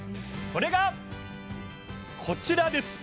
それがこちらです